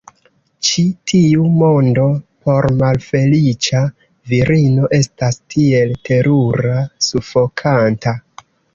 Ĉi tiu mondo por malfeliĉa virino estas tiel terura, sufokanta.